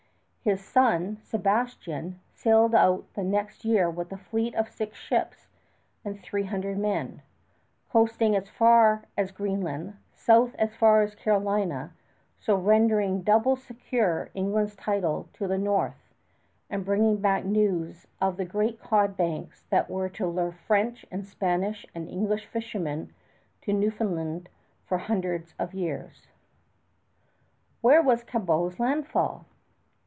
His son, Sebastian, sailed out the next year with a fleet of six ships and three hundred men, coasting north as far as Greenland, south as far as Carolina, so rendering doubly secure England's title to the North, and bringing back news of the great cod banks that were to lure French and Spanish and English fishermen to Newfoundland for hundreds of years. [Illustration: SEBASTIAN CABOT] Where was Cabot's landfall?